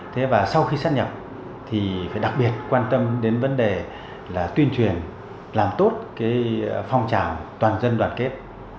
thế và sau khi sắp nhập thì phải đặc biệt quan tâm đến vấn đề là tuyên truyền làm tốt cái phong trào toàn dân đoàn kết